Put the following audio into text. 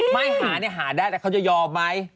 ไม่หาเนี่ยหาได้แต่เขาจะยอมไหม